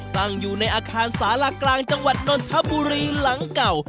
ตั้งอยู่ในอาคารสารากลางจังหวัดนนทบุรีหลังเก่า